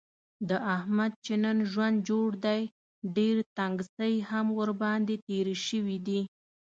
د احمد چې نن ژوند جوړ دی، ډېر تنګڅۍ هم ورباندې تېرې شوي دي.